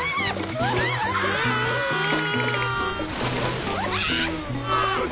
うわ！